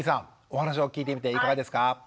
お話を聞いてみていかがですか？